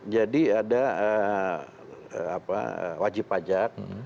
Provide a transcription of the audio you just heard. jadi ada wajib pajak